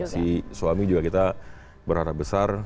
si suami juga kita berharap besar